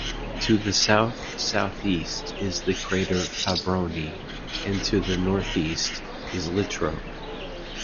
To the south-southeast is the crater Fabbroni, and to the northeast is Littrow.